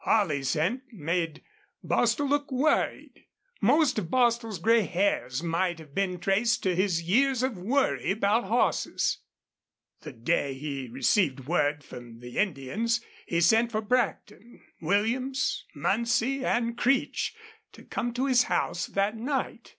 Holley's hint made Bostil look worried. Most of Bostil's gray hairs might have been traced to his years of worry about horses. The day he received word from the Indians he sent for Brackton, Williams, Muncie, and Creech to come to his house that night.